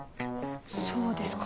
そうですか。